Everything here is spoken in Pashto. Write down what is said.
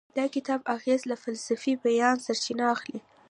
د کتاب اغیز له فلسفي بیانه سرچینه اخلي.